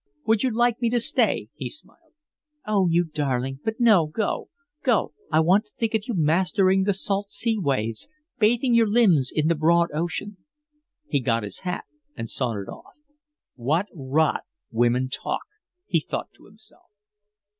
"Would you like me to stay?" he smiled. "Oh, you darling! But no, go. Go. I want to think of you mastering the salt sea waves, bathing your limbs in the broad ocean." He got his hat and sauntered off. "What rot women talk!" he thought to himself.